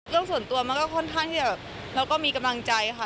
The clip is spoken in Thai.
ส่วนตัวมันก็ค่อนข้างที่แบบเราก็มีกำลังใจค่ะ